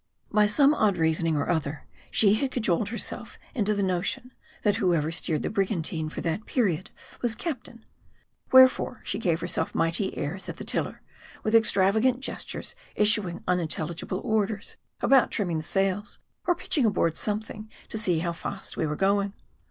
By some odd reasoning or other, she had cajoled herself into the notion, that whoever steered the brigantine, for 134 MARDI. that period was captain. Wherefore, she gave herself mighty airs at the tiller ; with extravagant gestures issuing unintelligible orders about trimming the sails, or pitching overboard something to see how fast we were going.